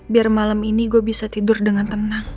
biar malam ini gue bisa tidur dengan tenang